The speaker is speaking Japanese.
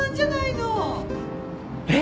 えっ！？